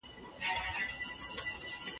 میرویس خان د کندهار خلکو ته د ازادۍ زېری ورکړ.